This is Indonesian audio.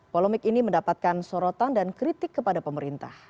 polemik ini mendapatkan sorotan dan kritik kepada pemerintah